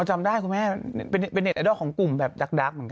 จำได้ครับคุณแม่เป็นเนธไอดอลของกลุ่มแบบดั๊ก